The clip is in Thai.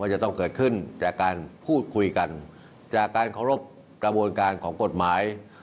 จะต้องเกิดขึ้นจากการพูดคุยกันจากการเคารพกระบวนการของกฎหมาย